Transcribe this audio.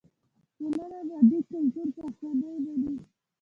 ټولنه مادي کلتور په اسانۍ مني.